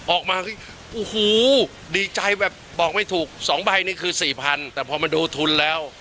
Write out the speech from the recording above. ออกมาโอ้โหดีใจแบบบอกไม่ถูก๒ใบนี่คือสี่พันแต่พอมาดูทุนแล้ว